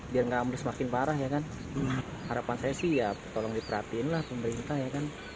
biar nggak amri semakin parah ya kan harapan saya sih ya tolong diperhatiin lah pemerintah ya kan